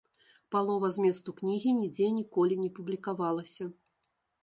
Палова зместу кнігі нідзе ніколі не публікавалася.